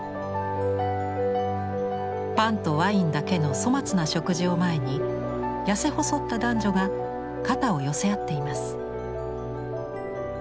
パンとワインだけの粗末な食事を前に痩せ細った男女が肩を寄せ合っています。